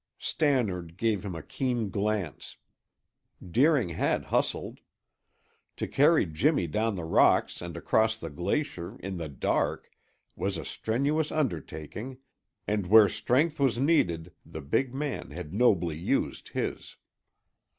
Stannard gave him a keen glance. Deering had hustled. To carry Jimmy down the rocks and across the glacier, in the dark, was a strenuous undertaking, and where strength was needed the big man had nobly used his.